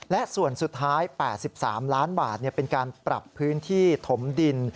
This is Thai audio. และส่วนสุดท้าย๘๓ล้านบาทเป็นการปรับพื้นที่ถมดิน